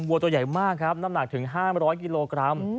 วัวตัวใหญ่มากครับน้ำหนักถึง๕๐๐กิโลกรัม